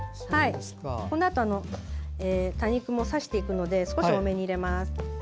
このあと多肉も挿していくので少し多めに入れます。